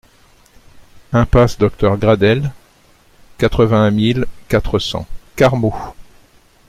Impasse Docteur Gradels, quatre-vingt-un mille quatre cents Carmaux